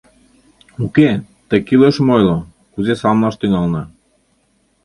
— Уке, тый кӱлешым ойло, кузе саламлаш тӱҥалына?